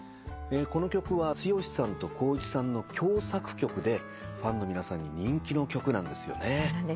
この曲は剛さんと光一さんの共作曲でファンの皆さんに人気の曲なんですよね。